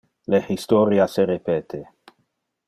Le historia se repete.